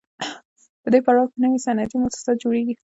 په دې پړاو کې نوي صنعتي موسسات جوړېږي